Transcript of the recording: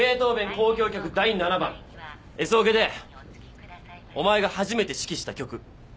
『交響曲第７番』Ｓオケでお前が初めて指揮した曲。